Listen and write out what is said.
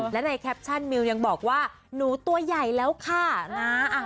และในแคปชั่นมิวยังบอกว่าหนูตัวใหญ่แล้วค่ะนะ